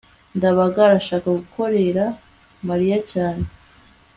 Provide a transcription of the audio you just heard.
ndabaga arashaka gukorera mariya cyane